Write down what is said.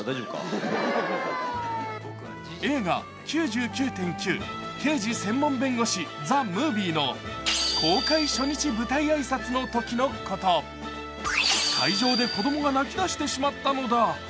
映画「９９．９−刑事専門弁護士−ＴＨＥＭＯＶＩＥ」の公開初日舞台挨拶のこと、会場で子供が泣きだしてしまったのだ。